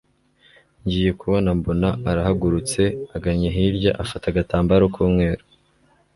ngiye kubona mbona arahagurutse agannye hirya afata agatambaro kumweru